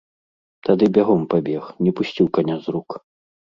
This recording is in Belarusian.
Тады бягом пабег, не пусціў каня з рук.